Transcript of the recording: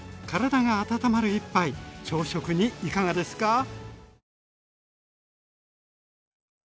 体が温まる１杯朝食にいかがですか？